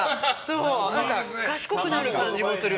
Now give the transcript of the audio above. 賢くなる感じがする。